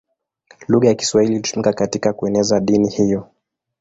Lugha ya Kiswahili ilitumika katika kueneza dini hiyo.